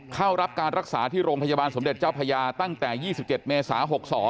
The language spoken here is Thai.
เข้ารับการรักษาที่โรงพยาบาลสมเด็จเจ้าพญาตั้งแต่๒๗เมษา๖๒